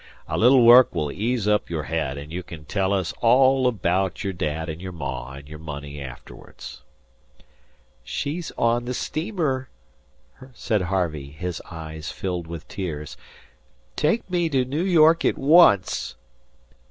A little work will ease up your head, and you kin tell us all abaout your dad an' your ma an' your money afterwards." "She's on the steamer," said Harvey, his eyes filling with tears. "Take me to New York at once."